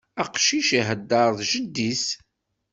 Aqcic ihedder d jeddi-s.